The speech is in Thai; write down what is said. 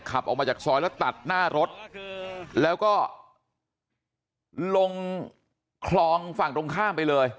ขับออกมาจากซอยแล้วตัดหน้ารถแล้วก็ลงคลองฝั่งตรงข้ามไปเลย